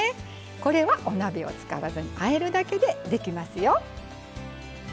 これはお鍋を使わずにあえるだけでできますよ。